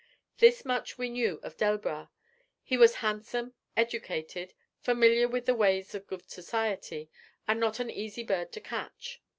This much we knew of Delbras: he was 'handsome, educated, familiar with the ways of good society, and not an easy bird to catch.'